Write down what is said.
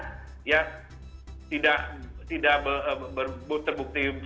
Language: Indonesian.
tidak berbebas ini pada saat itu onder agen jokowi mengatakan bahwa jika melalui ujian yang ada di ujung urus